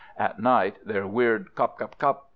At night their weird "cop! cop! cop!"